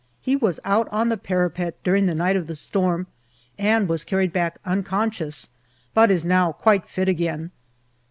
He was out on the parapet during the night of the storm and was carried back unconscious, but is now quite fit again.